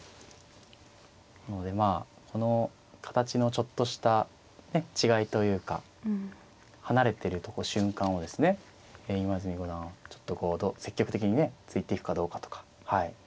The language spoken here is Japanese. なのでまあこの形のちょっとしたね違いというか離れてると瞬間をですね今泉五段ちょっとこう積極的にね突いていくかどうかとか。